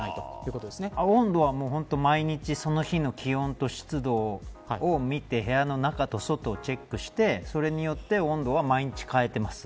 温度は本当毎日その日の気温と湿度を見て部屋の中と外をチェックしてそれによって温度は毎日変えています。